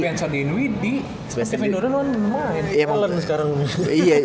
sekarang spencer dinwiddie kevin duran luar nemenin